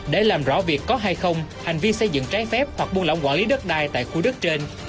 để làm rõ việc có hay không hành vi xây dựng trái phép hoặc buôn lỏng quản lý đất đai tại khu đất trên